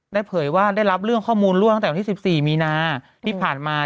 เผยว่าได้รับเรื่องข้อมูลร่วงตั้งแต่วันที่๑๔มีนาที่ผ่านมา